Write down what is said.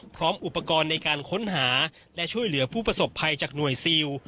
พร้อมอุปกรณ์ในการค้นหาและช่วยเหลือผู้ประสบภัยจากหน่วยซิล